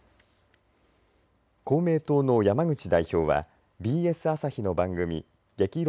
公明党の山口代表はＢＳ朝日の番組激論！